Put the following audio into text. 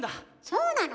そうなの？